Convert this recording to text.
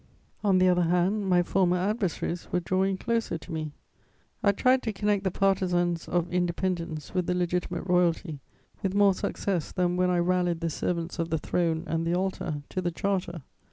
On the other hand, my former adversaries were drawing closer to me. I tried to connect the partisans of independence with the Legitimate Royalty, with more success than when I rallied the servants of the throne and the altar to the Charter.